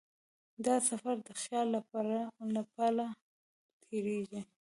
دا سفر د خیال له پله تېرېږي.